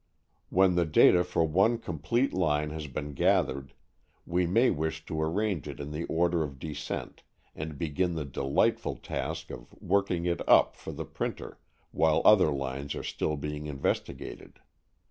When the data for one complete line has been gathered, we may wish to arrange it in the order of descent and begin the delightful task of working it up for the printer while other lines are still being investigated.